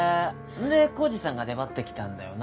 んで耕治さんが出ばってきたんだよな。